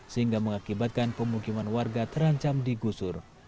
sehingga mengakibatkan pemukiman warga terancam digusur